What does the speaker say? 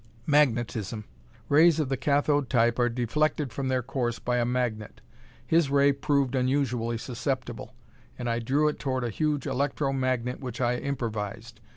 "Magnetism. Rays of the cathode type are deflected from their course by a magnet. His ray proved unusually susceptible, and I drew it toward a huge electro magnet which I improvised.